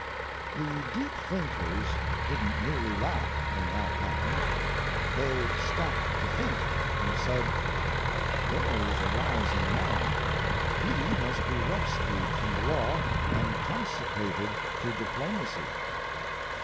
The deep thinkers didn't merely laugh when that happened. They stopped to think, and said "There's a rising man. He must be rescued from the law and consecrated to diplomacy.